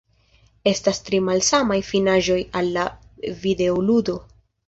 Estas tri malsamaj finaĵoj al la videoludo.